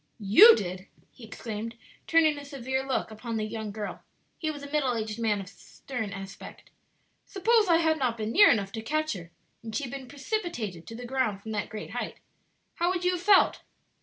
"You did?" he exclaimed, turning a severe look upon the young girl (he was a middle aged man of stern aspect). "Suppose I had not been near enough to catch her, and she had been precipitated to the ground from that great height how would you have felt?"